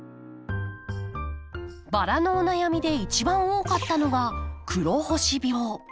バラのお悩みで一番多かったのは「黒星病」。